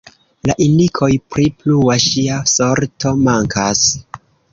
La indikoj pri plua ŝia sorto mankas.